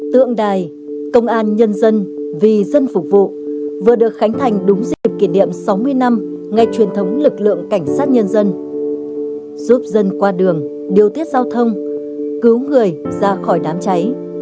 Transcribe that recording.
tượng đài công an nhân dân vì dân phục vụ vừa được khánh thành đúng dịp kỷ niệm sáu mươi năm ngày truyền thống lực lượng cảnh sát nhân dân giúp dân qua đường điều tiết giao thông cứu người ra khỏi đám cháy